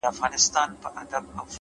• خو یو څوک به دي پر څنګ اخلي ګامونه ,